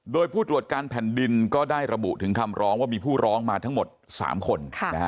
โดยผู้ตรวจการแผ่นดินก็ได้ระบุถึงคำร้องว่ามีผู้ร้องมาทั้งหมด๓คน